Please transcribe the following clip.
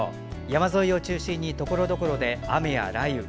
山沿いを中心にところどころで雨や雷雨。